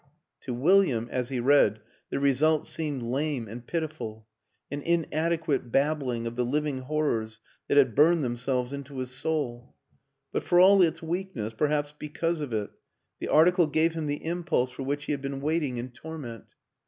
To William, as he read, the result seemed lame and pitiful, an inadequate babbling of the living horrors that had burned themselves into his soul ; but for all its weakness perhaps because of it the article gave him the impulse for which he had been waiting in torment.